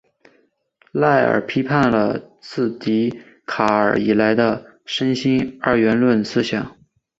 赖尔批判了自笛卡尔以来的身心二元论思想。